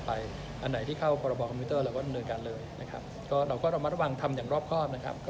อะไรที่เข้าปรบอบคอมพิวเตอร์มัสละวังทำอย่างรอบครอบ